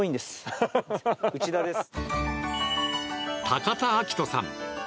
高田旭人さん。